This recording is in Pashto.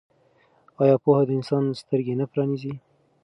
آیا پوهه د انسان سترګې نه پرانیزي؟